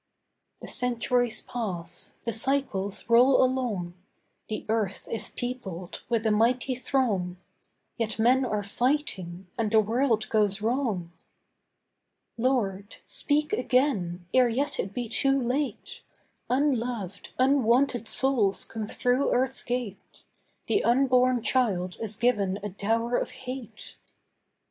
The centuries pass: the cycles roll along— The earth is peopled with a mighty throng, Yet men are fighting and the world goes wrong. Lord, speak again, ere yet it be too late, Unloved, unwanted souls come through earth's gate: The unborn child is given a dower of hate.